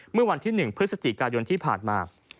เมื่อวันที่๑พฤศจิกายนที่ผ่านมา